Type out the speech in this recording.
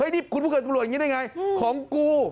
นี่คุณไปเกิดตำรวจอย่างนี้ได้ไงของกู